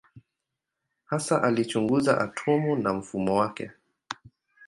Hasa alichunguza atomu na mfumo wake.